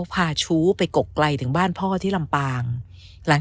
ไปโก็ไกลฝั่งบ้านพ่อที่ลำปาง